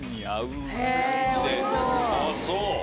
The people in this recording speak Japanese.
あっそう。